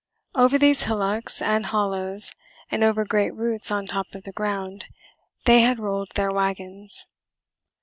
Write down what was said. Over these hillocks and hollows and over great roots on top of the ground, they had rolled their wagons.